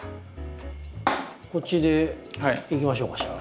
こっちでいきましょうかしら。